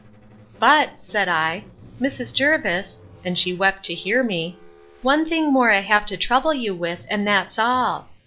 But, said I, Mrs. Jervis, (and she wept to hear me,) one thing more I have to trouble you with, and that's all.